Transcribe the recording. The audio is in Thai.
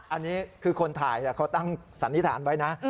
อันนี้คือคนถ่ายเขาตั้งสันนิษฐานไว้นะ